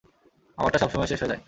আমারটা সবসময়ে শেষ হয়ে যায়।